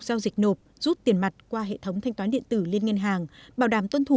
giao dịch nộp rút tiền mặt qua hệ thống thanh toán điện tử lên ngân hàng bảo đảm tuân thủ